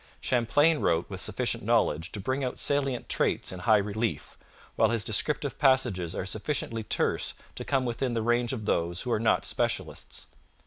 Champlain wrote with sufficient knowledge to bring out salient traits in high relief, while his descriptive passages are sufficiently terse to come within the range of those who are not specialists.